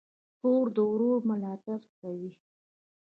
خور د ورور ملاتړ کوي.